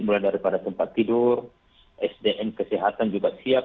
mulai dari tempat tidur sdn kesehatan juga siap